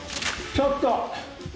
ちょっと。